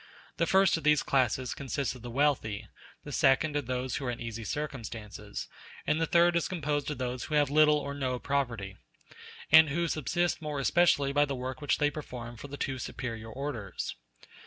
The first of these classes consists of the wealthy; the second, of those who are in easy circumstances; and the third is composed of those who have little or no property, and who subsist more especially by the work which they perform for the two superior orders.